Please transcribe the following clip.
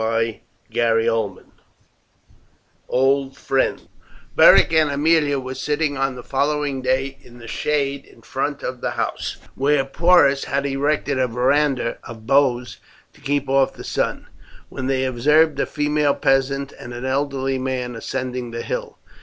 CHAPTER XXI: OLD FRIENDS Beric and Aemilia were sitting on the following day in the shade in front of the house, where Porus had erected a verandah of boughs to keep off the sun, when they observed a female peasant and an elderly man ascending the hill.